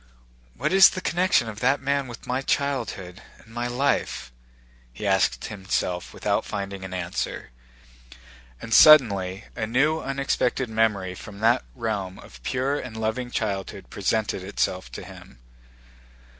"What is the connection of that man with my childhood and life?" he asked himself without finding an answer. And suddenly a new unexpected memory from that realm of pure and loving childhood presented itself to him.